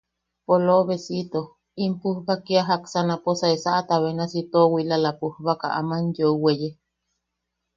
Poloobesito, in pujba kia jaksa naposae saʼata benasi toowilala pujbaka aman yeu weye.